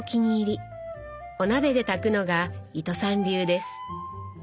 お鍋で炊くのが糸さん流です。